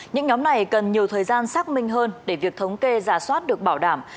những nhóm này cần nhiều thời gian xác minh hơn để việc thống kê giả soát được bảo đảm